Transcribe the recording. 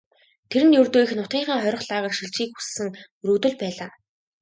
Тэр нь ердөө эх нутгийнхаа хорих лагерьт шилжихийг хүссэн өргөдөл байлаа.